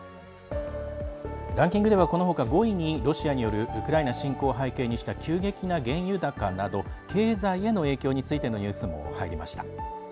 ランキングではこのほか５位にロシアによるウクライナ侵攻を背景にした急激な原油高など経済への影響についてのニュースも入りました。